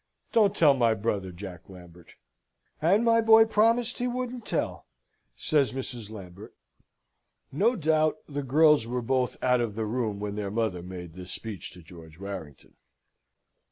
Don't tell my brother, Jack Lambert." "And my boy promised he wouldn't tell," says Mrs. Lambert. No doubt. The girls were both out of the room when their mother made this speech to George Warrington.